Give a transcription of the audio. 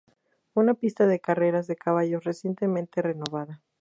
Una pista de carreras de caballos recientemente renovada.